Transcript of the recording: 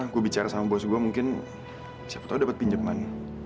aku bicara sama bos gue mungkin siapa tau dapat pinjaman